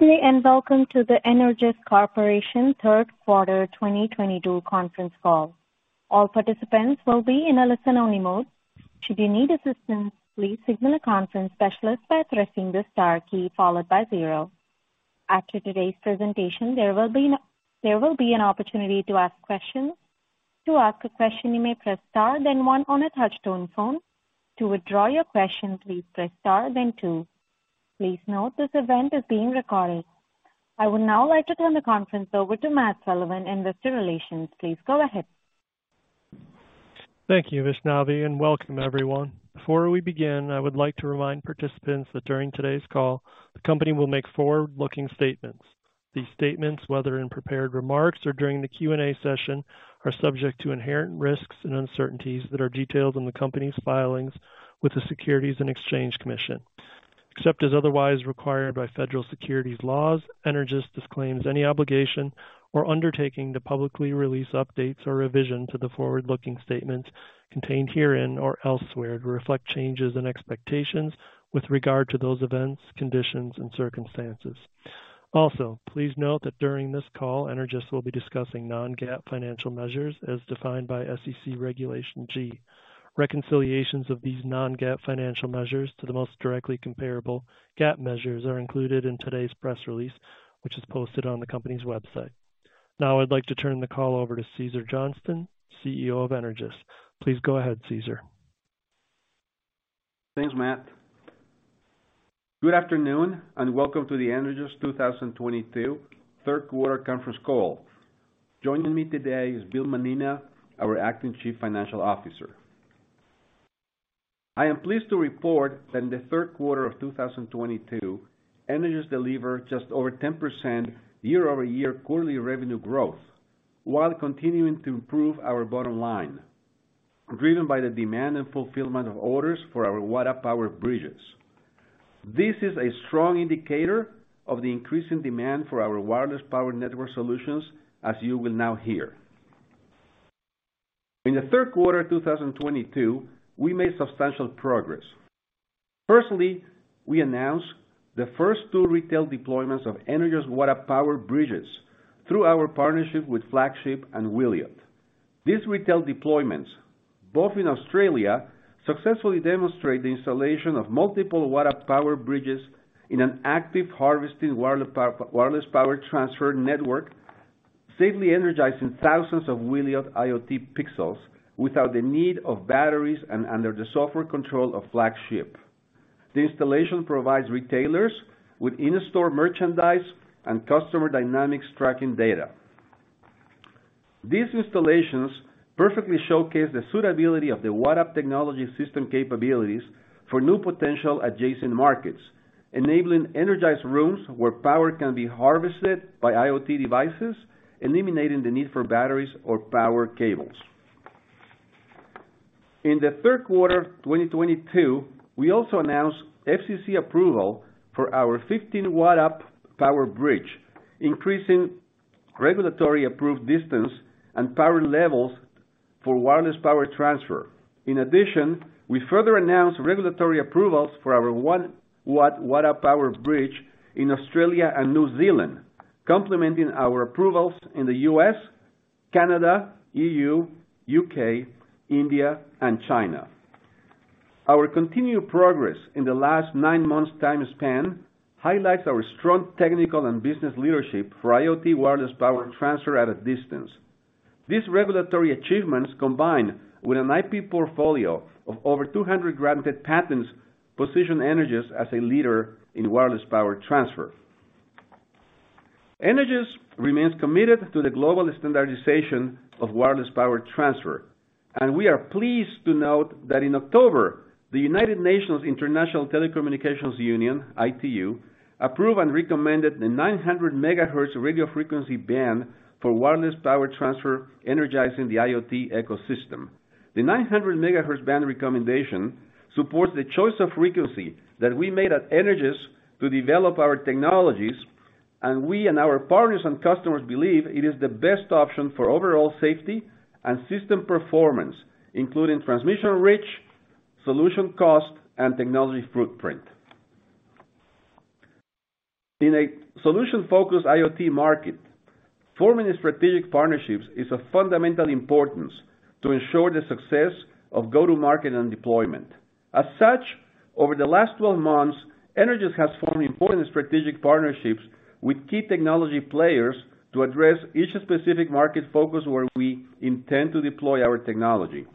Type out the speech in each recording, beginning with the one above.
Good day, and welcome to the Energous Corporation third quarter 2022 conference call. All participants will be in a listen-only mode. Should you need assistance, please signal a conference specialist by pressing the star key followed by zero. After today's presentation, there will be an opportunity to ask questions. To ask a question, you may press star then one on a touch tone phone. To withdraw your question, please press star then two. Please note this event is being recorded. I would now like to turn the conference over to Matt Sullivan, Investor Relations. Please go ahead. Thank you, Vaishnavi, and welcome everyone. Before we begin, I would like to remind participants that during today's call, the company will make forward-looking statements. These statements, whether in prepared remarks or during the Q&A session, are subject to inherent risks and uncertainties that are detailed in the company's filings with the Securities and Exchange Commission. Except as otherwise required by federal securities laws, Energous disclaims any obligation or undertaking to publicly release updates or revisions to the forward-looking statements contained herein or elsewhere to reflect changes in expectations with regard to those events, conditions, and circumstances. Also, please note that during this call, Energous will be discussing non-GAAP financial measures as defined by SEC Regulation G. Reconciliations of these non-GAAP financial measures to the most directly comparable GAAP measures are included in today's press release, which is posted on the company's website. Now I'd like to turn the call over to Cesar Johnston, CEO of Energous. Please go ahead, Cesar. Thanks, Matt. Good afternoon, and welcome to the Energous 2022 third quarter conference call. Joining me today is Bill Mannina, our Acting Chief Financial Officer. I am pleased to report that in the third quarter of 2022, Energous delivered just over 10% year-over-year quarterly revenue growth while continuing to improve our bottom line, driven by the demand and fulfillment of orders for our WattUp PowerBridges. This is a strong indicator of the increasing demand for our Wireless Power Network solutions, as you will now hear. In the third quarter of 2022, we made substantial progress. Firstly, we announced thefirst two retail deployments of Energous WattUp PowerBridges through our partnership with Flagship and Wiliot. These retail deployments, both in Australia, successfully demonstrate the installation of multiple WattUp PowerBridges in an active harvesting wireless power, wireless power transfer network, safely energizing thousands of Wiliot IoT Pixels without the need of batteries and under the software control of Flagship. The installation provides retailers with in-store merchandise and customer dynamics tracking data. These installations perfectly showcase the suitability of the WattUp technology system capabilities for new potential adjacent markets, enabling energized rooms where power can be harvested by IoT devices, eliminating the need for batteries or power cables. In the third quarter of 2022, we also announced FCC approval for our 15 WattUp PowerBridge, increasing regulatory approved distance and power levels for wireless power transfer. In addition, we further announced regulatory approvals for our 1W WattUp PowerBridge in Australia and New Zealand, complementing our approvals in the U.S., Canada, E.U., U.K., India, and China. Our continued progress in the last nine months time span highlights our strong technical and business leadership for IoT wireless power transfer at a distance. These regulatory achievements, combined with an IP portfolio of over 200 granted patents, position Energous as a leader in wireless power transfer. Energous remains committed to the global standardization of wireless power transfer, and we are pleased to note that in October, the United Nations International Telecommunication Union, ITU, approved and recommended the 900 MHz radio frequency band for wireless power transfer energizing the IoT ecosystem. The 900 MHz band recommendation supports the choice of frequency that we made at Energous to develop our technologies, and we and our partners and customers believe it is the best option for overall safety and system performance, including transmission reach, solution cost, and technology footprint. In a solution-focused IoT market, forming strategic partnerships is of fundamental importance to ensure the success of go-to-market and deployment. As such, over the last 12 months, Energous has formed important strategic partnerships with key technology players to address each specific market focus where we intend to deploy our technology.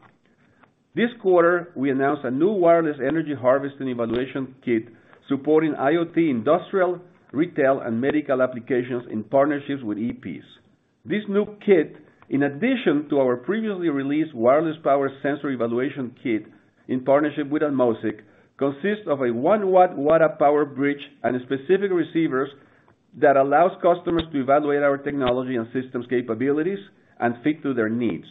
This quarter, we announced a new wireless energy harvesting evaluation kit supporting IoT industrial, retail, and medical applications in partnerships with e-peas. This new kit, in addition to our previously released wireless power sensor evaluation kit in partnership with Atmosic, consists of a 1W WattUp PowerBridge and specific receivers that allows customers to evaluate our technology and systems capabilities and fit to their needs.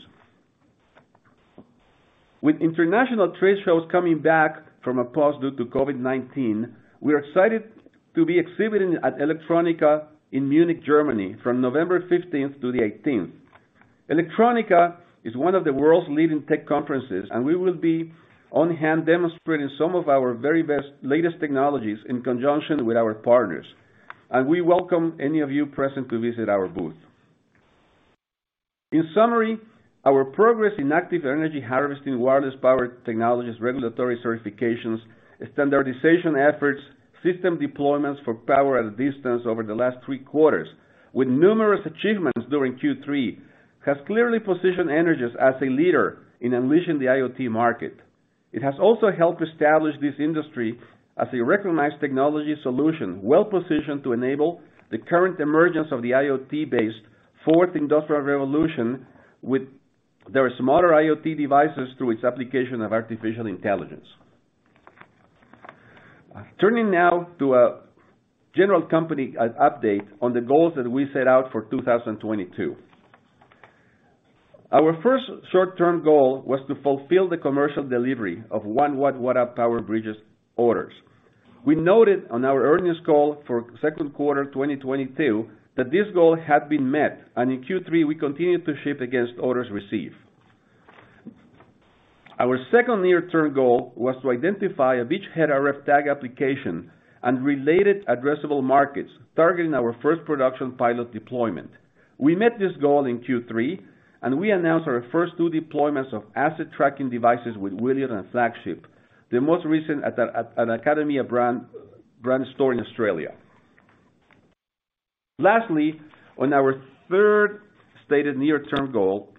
With international trade shows coming back from a pause due to COVID-19, we're excited to be exhibiting at electronica in Munich, Germany from November 15th to 18th. electronica is one of the world's leading tech conferences, and we will be on hand demonstrating some of our very best latest technologies in conjunction with our partners. We welcome any of you present to visit our booth. In summary, our progress in active energy harvesting, wireless power technologies, regulatory certifications, standardization efforts, system deployments for power at a distance over the last three quarters with numerous achievements during Q3, has clearly positioned Energous as a leader in unleashing the IoT market. It has also helped establish this industry as a recognized technology solution, well-positioned to enable the current emergence of the IoT-based fourth industrial revolution with their smarter IoT devices through its application of artificial intelligence. Turning now to a general company update on the goals that we set out for 2022. Our first short-term goal was to fulfill the commercial delivery of 1W WattUp PowerBridge orders. We noted on our earnings call for second quarter 2022 that this goal had been met, and in Q3, we continued to ship against orders received. Our second near-term goal was to identify a beachhead RF tag application and related addressable markets targeting our first production pilot deployment. We met this goal in Q3, and we announced our first two deployments of asset tracking devices with Wiliot and Flagship, the most recent at an Academy Brand store in Australia. Lastly, on our third stated near-term goal,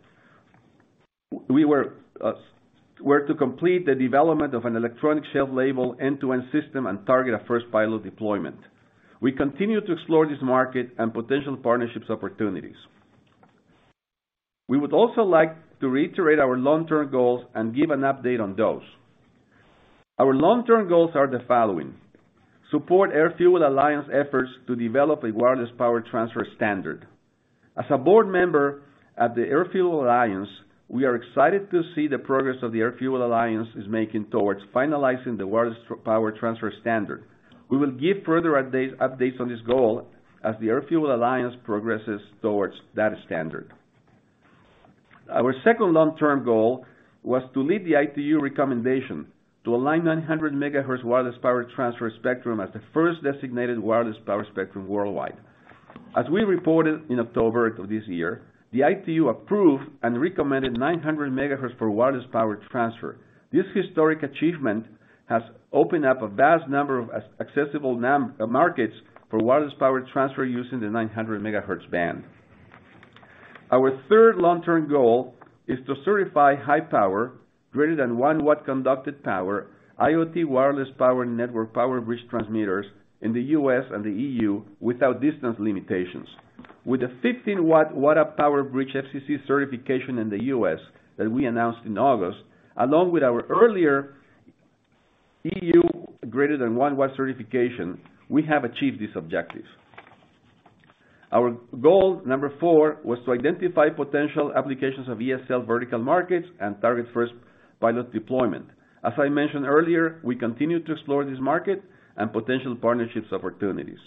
we were to complete the development of an electronic shelf label end-to-end system and target a first pilot deployment. We continue to explore this market and potential partnerships opportunities. We would also like to reiterate our long-term goals and give an update on those. Our long-term goals are the following. Support AirFuel Alliance efforts to develop a wireless power transfer standard. As a board member at the AirFuel Alliance, we are excited to see the progress that the AirFuel Alliance is making towards finalizing the wireless power transfer standard. We will give further updates on this goal as the AirFuel Alliance progresses towards that standard. Our second long-term goal was to lead the ITU recommendation to align 900 MHz wireless power transfer spectrum as the first designated wireless power spectrum worldwide. As we reported in October of this year, the ITU approved and recommended 900 MHz for wireless power transfer. This historic achievement has opened up a vast number of accessible new markets for wireless power transfer using the 900 MHz band. Our third long-term goal is to certify high power greater than 1W conducted power, IoT Wireless Power Network PowerBridge transmitters in the U.S. and the EU without distance limitations. With a 15W WattUp PowerBridge FCC certification in the US that we announced in August, along with our earlier EU greater than 1W certification, we have achieved this objective. Our goal number four was to identify potential applications of ESL vertical markets and target first pilot deployment. As I mentioned earlier, we continue to explore this market and potential partnerships opportunities.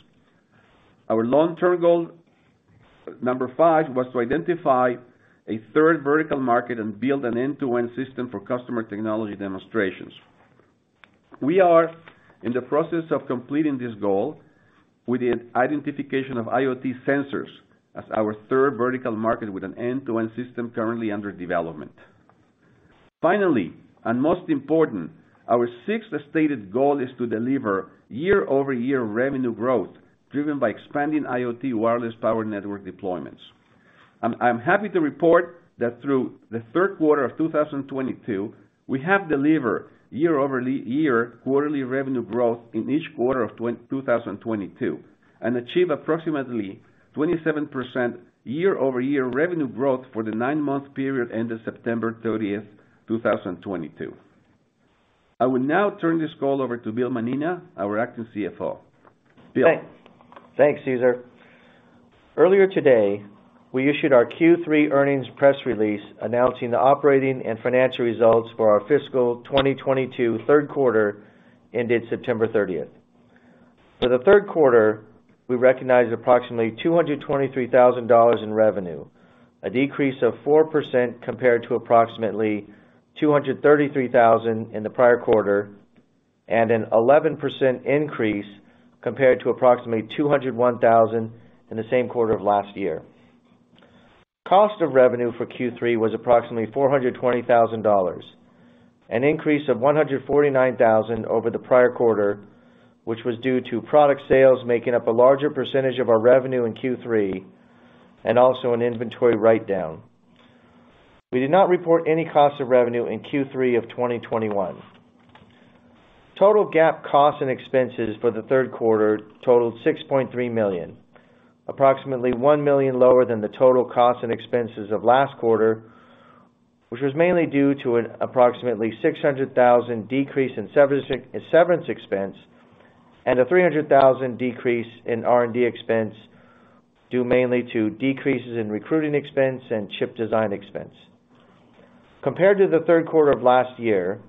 Our long-term goal number five was to identify a third vertical market and build an end-to-end system for customer technology demonstrations. We are in the process of completing this goal with the identification of IoT sensors as our third vertical market with an end-to-end system currently under development. Finally, and most important, our sixth stated goal is to deliver year-over-year revenue growth driven by expanding IoT Wireless Power Network deployments. I'm happy to report that through the third quarter of 2022, we have delivered year-over-year quarterly revenue growth in each quarter of 2022, and achieved approximately 27% year-over-year revenue growth for the nine-month period ended September 30th, 2022. I will now turn this call over to Bill Mannina, our Acting CFO. Bill? Thanks, Cesar. Earlier today, we issued our Q3 earnings press release announcing the operating and financial results for our fiscal 2022 third quarter ended September 30. For the third quarter, we recognized approximately $223,000 in revenue, a decrease of 4% compared to approximately $233,000 in the prior quarter, and an 11% increase compared to approximately $201,000 in the same quarter of last year. Cost of revenue for Q3 was approximately $420,000, an increase of $149,000 over the prior quarter, which was due to product sales making up a larger percentage of our revenue in Q3, and also an inventory writedown. We did not report any cost of revenue in Q3 of 2021. Total GAAP costs and expenses for the third quarter totaled $6.3 million, approximately $1 million lower than the total costs and expenses of last quarter, which was mainly due to an approximately $600,000 decrease in severance expense and a $300,000 decrease in R&D expense, due mainly to decreases in recruiting expense and chip design expense. Compared to the third quarter of last year,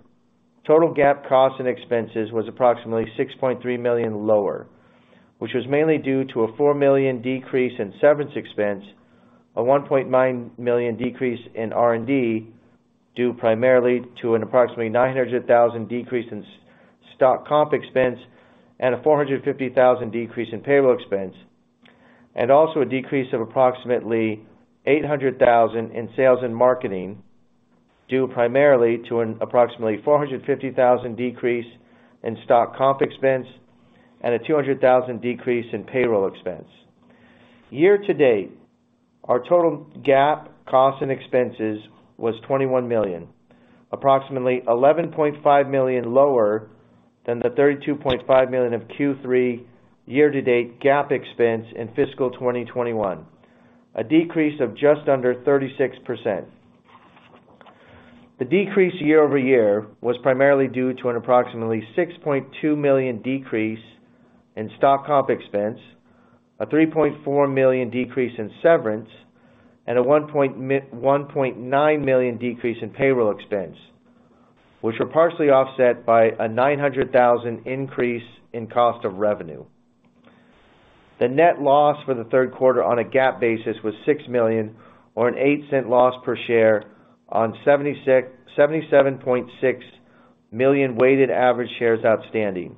total GAAP costs and expenses was approximately $6.3 million lower, which was mainly due to a $4 million decrease in severance expense, a $1.9 million decrease in R&D, due primarily to an approximately $900,000 decrease in stock comp expense and a $450,000 decrease in payroll expense, and also a decrease of approximately $800,000 in sales and marketing, due primarily to an approximately $450,000 decrease in stock comp expense and a $200,000 decrease in payroll expense. Year to date, our total GAAP costs and expenses was $21 million, approximately $11.5 million lower than the $32.5 million of Q3 year to date GAAP expense in fiscal 2021, a decrease of just under 36%. The decrease year-over-year was primarily due to an approximately $6.2 million decrease in stock comp expense, a $3.4 million decrease in severance, and a $1.9 million decrease in payroll expense, which were partially offset by a $900 thousand increase in cost of revenue. The net loss for the third quarter on a GAAP basis was $6 million or an $0.08 loss per share on 77.6 million weighted average shares outstanding.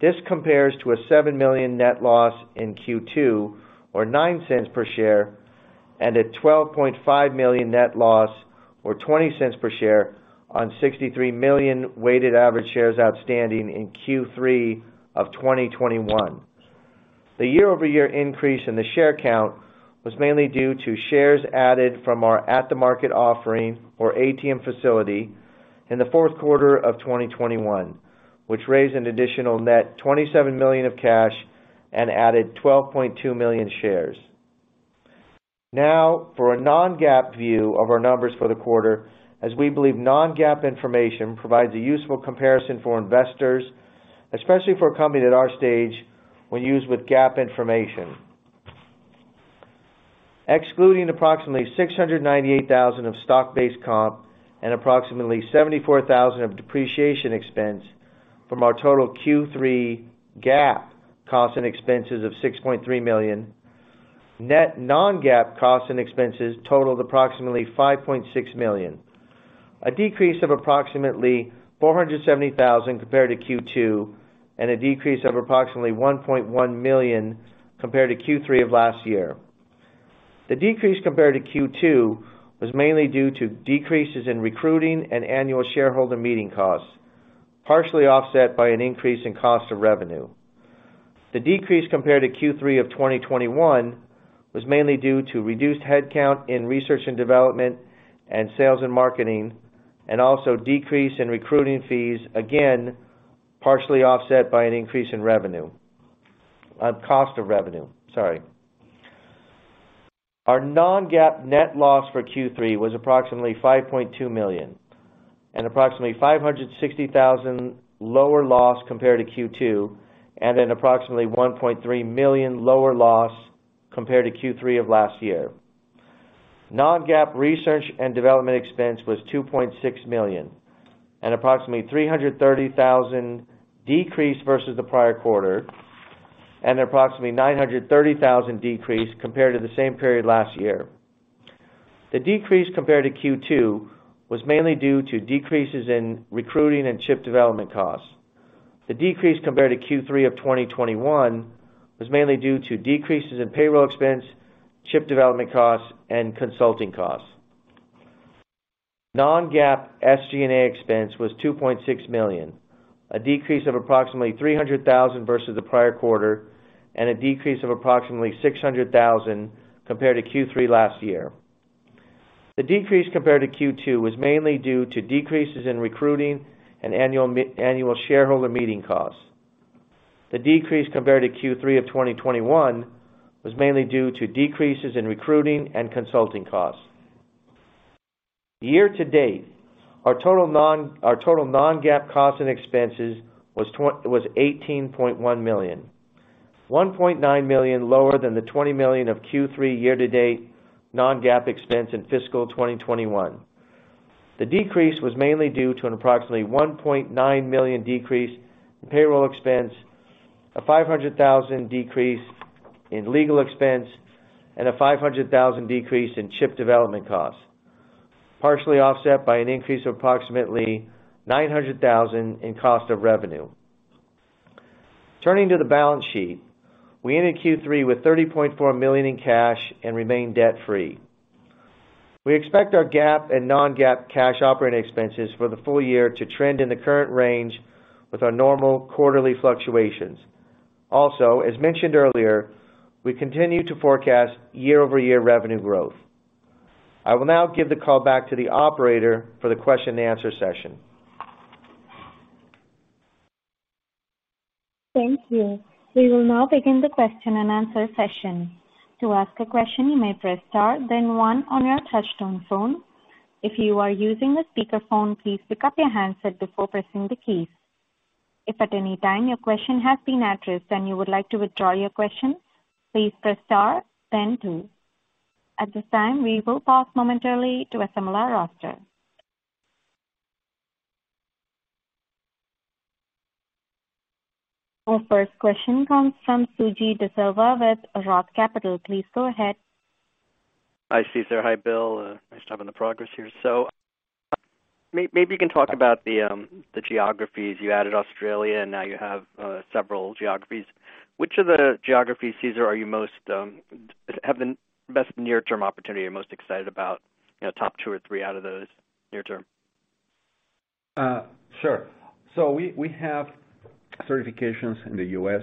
This compares to a $7 million net loss in Q2, or $0.09 per share, and a $12.5 million net loss, or $0.20 per share on 63 million weighted average shares outstanding in Q3 of 2021. The year-over-year increase in the share count was mainly due to shares added from our at-the-market offering, or ATM facility in the fourth quarter of 2021, which raised an additional net $27 million of cash and added 12.2 million shares. Now for a non-GAAP view of our numbers for the quarter, as we believe non-GAAP information provides a useful comparison for investors, especially for a company at our stage when used with GAAP information. Excluding approximately $698,000 of stock-based comp and approximately $74,000 of depreciation expense from our total Q3 GAAP costs and expenses of $6.3 million, net non-GAAP costs and expenses totaled approximately $5.6 million, a decrease of approximately $470,000 compared to Q2, and a decrease of approximately $1.1 million compared to Q3 of last year. The decrease compared to Q2 was mainly due to decreases in recruiting and annual shareholder meeting costs, partially offset by an increase in cost of revenue. The decrease compared to Q3 of 2021 was mainly due to reduced headcount in research and development and sales and marketing, and also decrease in recruiting fees, again, partially offset by an increase in cost of revenue. Our non-GAAP net loss for Q3 was approximately $5.2 million, an approximately $560,000 lower loss compared to Q2, and an approximately $1.3 million lower loss compared to Q3 of last year. Non-GAAP research and development expense was $2.6 million, an approximately $330,000 decrease versus the prior quarter, and approximately $930,000 decrease compared to the same period last year. The decrease compared to Q2 was mainly due to decreases in recruiting and chip development costs. The decrease compared to Q3 of 2021 was mainly due to decreases in payroll expense, chip development costs and consulting costs. Non-GAAP SG&A expense was $2.6 million, a decrease of approximately $300,000 versus the prior quarter, and a decrease of approximately $600,000 compared to Q3 last year. The decrease compared to Q2 was mainly due to decreases in recruiting and Annual Shareholder Meeting costs. The decrease compared to Q3 of 2021 was mainly due to decreases in recruiting and consulting costs. Year to date, our total non-GAAP costs and expenses was $18.1 million, $1.9 million lower than the $20 million of Q3 year to date non-GAAP expense in fiscal 2021. The decrease was mainly due to an approximately $1.9 million decrease in payroll expense, a $500,000 decrease in legal expense, and a $500,000 decrease in chip development costs, partially offset by an increase of approximately $900,000 in cost of revenue. Turning to the balance sheet, we ended Q3 with $30.4 million in cash and remain debt free. We expect our GAAP and non-GAAP cash operating expenses for the full year to trend in the current range with our normal quarterly fluctuations. Also, as mentioned earlier, we continue to forecast year-over-year revenue growth. I will now give the call back to the operator for the question and answer session. Thank you. We will now begin the question and answer session. To ask a question, you may press star then one on your touchtone phone. If you are using a speakerphone, please pick up your handset before pressing the keys. If at any time your question has been addressed and you would like to withdraw your question, please press star then two. At this time, we will pause momentarily to assemble our roster. Our first question comes from Suji Desilva with Roth Capital. Please go ahead. Hi, Cesar. Hi, Bill. Nice to have the progress here. Maybe you can talk about the geographies. You added Australia, and now you have several geographies. Which of the geographies, Cesar, have the best near-term opportunity you're most excited about? You know, top two or three out of those near-term. Sure. We have certifications in the U.S.,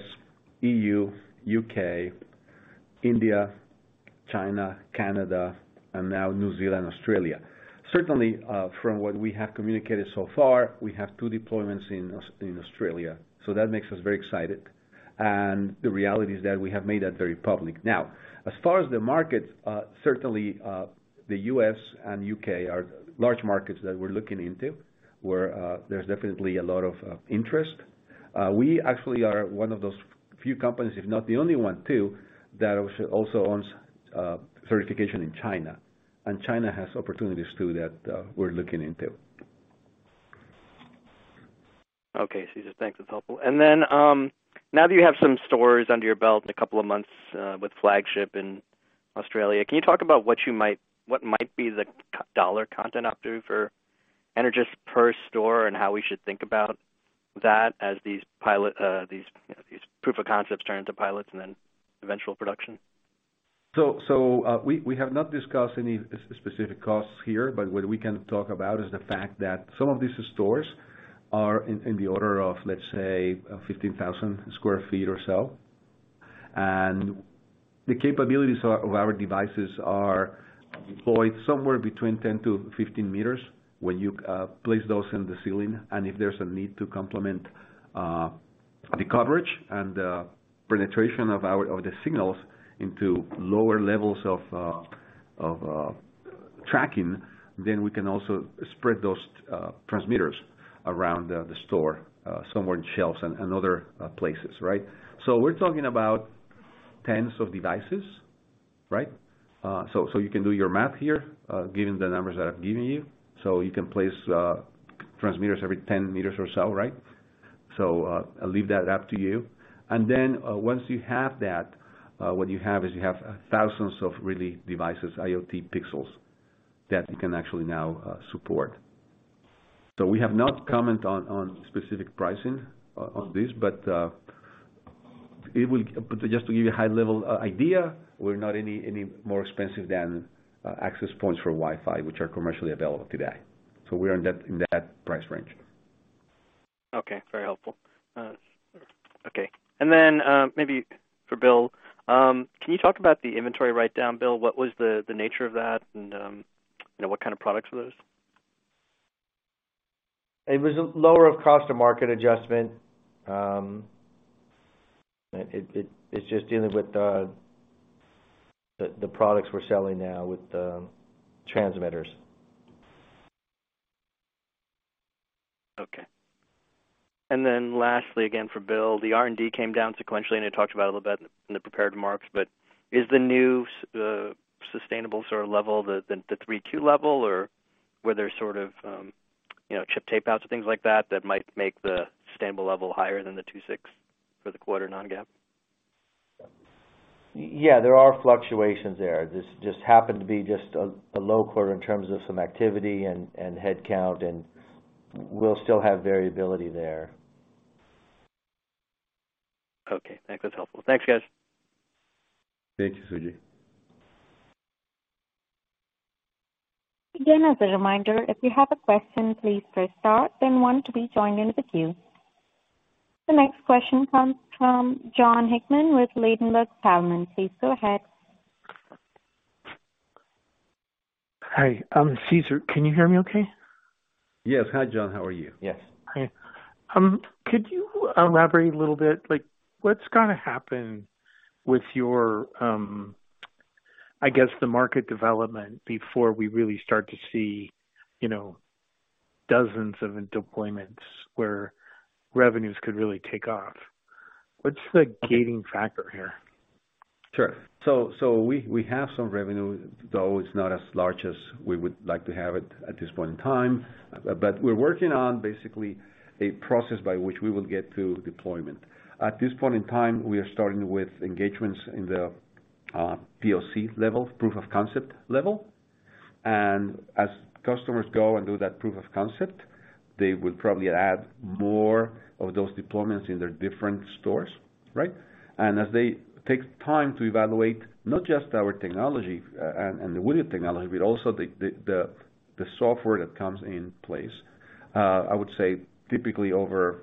E.U., U.K., India, China, Canada, and now New Zealand, Australia. Certainly, from what we have communicated so far, we have two deployments in Australia, so that makes us very excited. The reality is that we have made that very public. Now, as far as the market, certainly, the U.S. and U.K. are large markets that we're looking into, where there's definitely a lot of interest. We actually are one of those few companies, if not the only one too, that also owns certification in China, and China has opportunities too that we're looking into. Okay, Cesar, thanks. That's helpful. Then, now that you have some stores under your belt in a couple of months, with Flagship in Australia, can you talk about what might be the dollar content opportunity for Energous per store and how we should think about that as these proof of concepts turn into pilots and then eventual production? We have not discussed any specific costs here, but what we can talk about is the fact that some of these stores are in the order of, let's say, 15,000 sq ft or so. The capabilities of our devices are deployed somewhere between 10-15 meters when you place those in the ceiling. If there's a need to complement the coverage and the penetration of the signals into lower levels of tracking, then we can also spread those transmitters around the store, somewhere in shelves and other places, right? We're talking about tens of devices, right? You can do your math here, given the numbers that I've given you, so you can place transmitters every 10 meters or so, right? I'll leave that up to you. Once you have that, what you have is thousands of real devices, IoT Pixels, that you can actually now support. We have no comment on specific pricing on this, but just to give you a high-level idea, we're not any more expensive than access points for Wi-Fi, which are commercially available today. We're in that price range. Okay, very helpful. Okay. Maybe for Bill, can you talk about the inventory write-down, Bill? What was the nature of that and, you know, what kind of products were those? It was a lower cost to market adjustment. It's just dealing with the products we're selling now with the transmitters. Okay. Lastly, again for Bill, the R&D came down sequentially, and you talked about a little bit in the prepared remarks, but is the new sustainable sort of level the 3Q level? Or were there sort of, you know, chip tape-outs and things like that that might make the sustainable level higher than the $2.6 for the quarter non-GAAP? Yeah, there are fluctuations there. This just happened to be just a low quarter in terms of some activity and headcount, and we'll still have variability there. Okay. Think that's helpful. Thanks, guys. Thank you, Suji. Again, as a reminder, if you have a question, please press star then one to be joined into the queue. The next question comes from Jon Hickman with Ladenburg Thalmann. Please go ahead. Hi, Cesar, can you hear me okay? Yes. Hi, John. How are you? Yes. Hi. Could you elaborate a little bit, like what's gonna happen with your, I guess the market development before we really start to see, you know, dozens of deployments where revenues could really take off? What's the gating factor here? Sure. We have some revenue, though it's not as large as we would like to have it at this point in time. We're working on basically a process by which we will get to deployment. At this point in time, we are starting with engagements in the POC level, Proof of Concept level. As customers go and do that proof of concept, they will probably add more of those deployments in their different stores, right? As they take time to evaluate not just our technology and the Wiliot technology, but also the software that comes in place, I would say typically over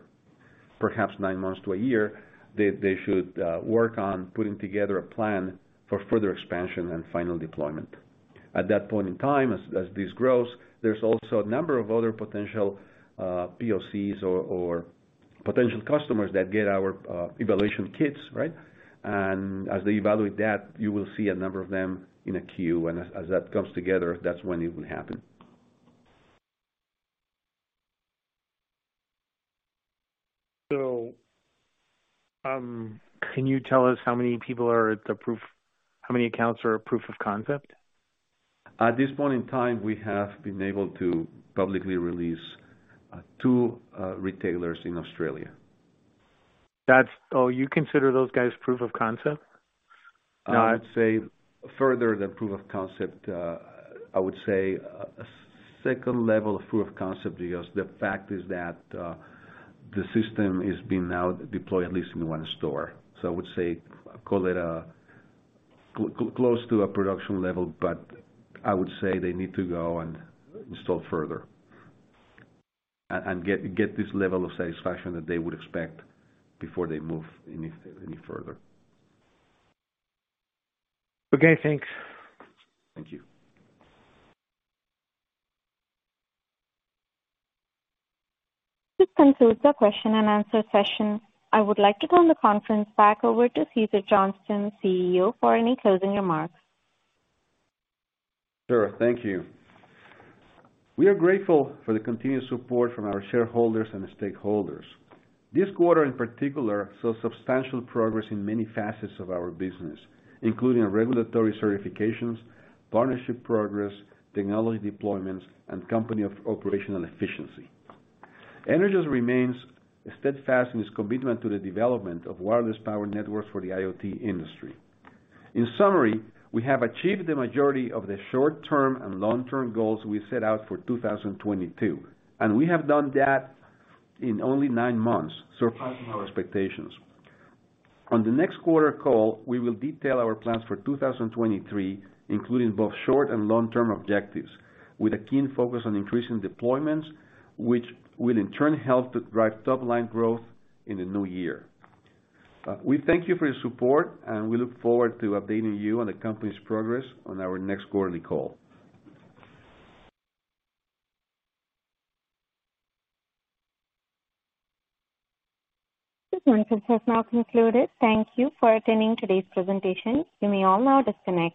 perhaps nine months to a year, they should work on putting together a plan for further expansion and final deployment. At that point in time, as this grows, there's also a number of other potential POCs or potential customers that get our evaluation kits, right? As they evaluate that, you will see a number of them in a queue. As that comes together, that's when it will happen. Can you tell us how many accounts are proof of concept? At this point in time, we have been able to publicly release two retailers in Australia. Oh, you consider those guys proof of concept? I would say further than proof of concept. I would say a second level of proof of concept because the fact is that the system is being now deployed at least in one store. I would say call it a close to a production level, but I would say they need to go and install further and get this level of satisfaction that they would expect before they move any further. Okay, thanks. Thank you. This concludes the question and answer session. I would like to turn the conference back over to Cesar Johnston, CEO, for any closing remarks. Sure. Thank you. We are grateful for the continued support from our shareholders and stakeholders. This quarter, in particular, saw substantial progress in many facets of our business, including regulatory certifications, partnership progress, technology deployments, and company-wide operational efficiency. Energous remains steadfast in its commitment to the development of Wireless Power Networks for the IoT industry. In summary, we have achieved the majority of the short-term and long-term goals we set out for 2022, and we have done that in only nine months, surpassing our expectations. On the next quarter call, we will detail our plans for 2023, including both short and long-term objectives, with a keen focus on increasing deployments, which will in turn help to drive top line growth in the new year. We thank you for your support, and we look forward to updating you on the company's progress on our next quarterly call. This conference has now concluded. Thank you for attending today's presentation. You may all now disconnect.